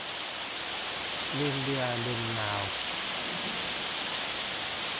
เงินเดือนเงินดาว